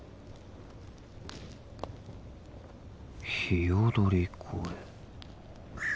鵯越。